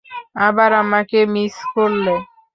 আবার আমাকে মিস করলে।